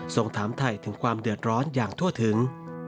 ส่งถามถ่ายถึงความเดือดร้อนอย่างทั่วถึง